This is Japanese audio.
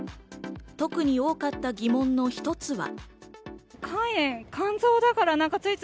特に多かった疑問の一つは。